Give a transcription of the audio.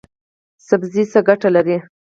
پالک څه ګټه لري؟